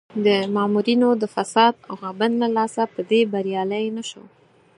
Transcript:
د مامورینو د فساد او غبن له لاسه په دې بریالی نه شو.